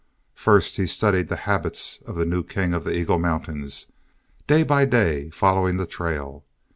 First he studied the habits of the new king of the Eagle Mountains, day by day following the trail.